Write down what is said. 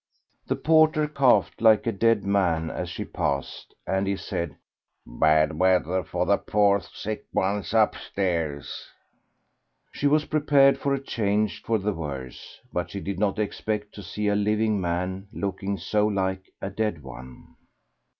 The porter coughed like a dead man as she passed, and he said, "Bad weather for the poor sick ones upstairs." She was prepared for a change for the worse, but she did not expect to see a living man looking so like a dead one.